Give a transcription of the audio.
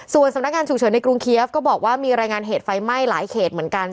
ส่วนสำนักงานฉุกเฉินในกรุงเคียฟก็บอกว่ามีรายงานเหตุไฟไหม้หลายเขตเหมือนกัน